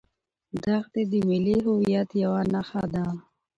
دښتې د ملي هویت یوه نښه ده.